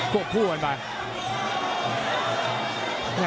โกะพู่บ้าง